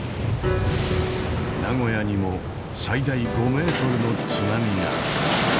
名古屋にも最大５メートルの津波が。